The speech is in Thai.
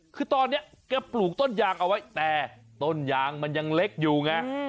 คือตอนนี้แกปลูกต้นยางเอาไว้แต่ต้นยางมันยังเล็กอยู่ไง